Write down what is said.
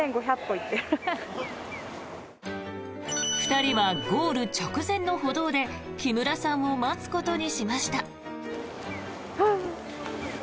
２人はゴール直前の歩道で木村さんを待つことにしました。